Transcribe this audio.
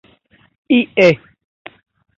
ie